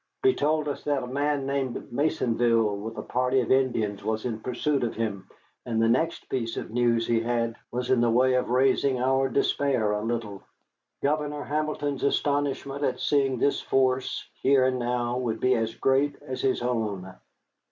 He told us that a man named Maisonville, with a party of Indians, was in pursuit of him, and the next piece of news he had was in the way of raising our despair a little. Governor Hamilton's astonishment at seeing this force here and now would be as great as his own.